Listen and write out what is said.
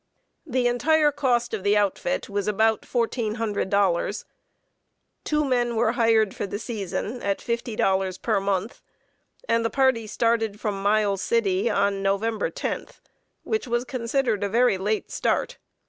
The entire cost of the outfit was about $1,400. Two men were hired for the season at $50 per month, and the party started from Miles City on November 10, which was considered a very late start.